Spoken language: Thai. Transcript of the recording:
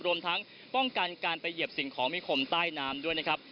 รวมทั้งป้องกันการไปเหยียบสิ่งของมีคมใต้น้ำด้วยนะครับ